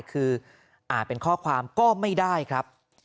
คืออ่านเป็นข้อความก็ไม่ได้ครับ